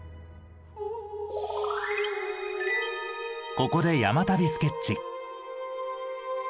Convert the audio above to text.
ここで「山旅スケッチ」。